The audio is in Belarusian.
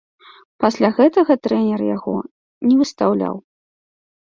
Пасля гэтага трэнер яго не выстаўляў.